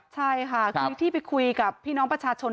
ใช่ค่ะคือที่ไปคุยกับพี่น้องประชาชน